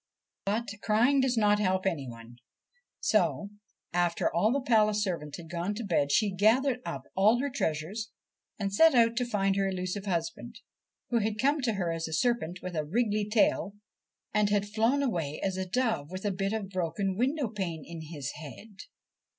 But crying does not help any one, so, after all the palace servants had gone to bed, she gathered up all her treasures and set out to find her elusive husband, who had come to her as a serpent with a wriggly tail, and flown away as a dove with a bit of a broken window pane in his head.